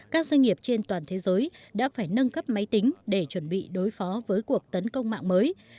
các doanh nghiệp trên toàn thế giới đã phải nâng cấp máy tính để chuẩn bị đối phó với cuộc tấn công mạng mới